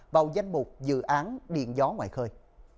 vào danh mục dự án điện gió ngoài khơi